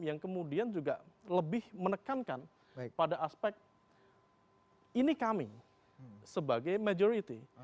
yang kemudian juga lebih menekankan pada aspek ini kami sebagai majority